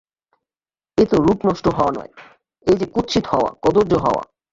এ তো রূপ নষ্ট হওয়া নয়, এ যে কুৎসিত হওয়া, কদর্য হওয়া!